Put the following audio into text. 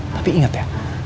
tapi inget ya